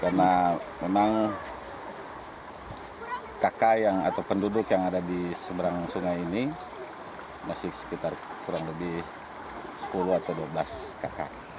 karena memang kakak atau penduduk yang ada di seberang sungai ini masih sekitar kurang lebih sepuluh atau dua belas kakak